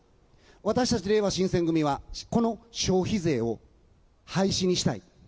私たちれいわ新選組は、この消費税を廃止にしたい。